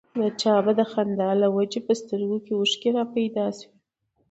د چا به د خندا له وجې په سترګو کې اوښکې را پيدا شوې.